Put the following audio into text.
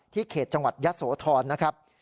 เขตจังหวัดยะโสธรนะครับ